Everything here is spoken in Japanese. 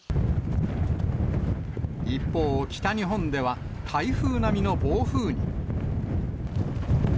一方、北日本では台風並みの暴風に。